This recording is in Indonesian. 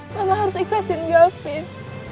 mama harus ikhlasin gafin